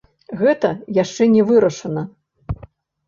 Гэта яшчэ не вырашана.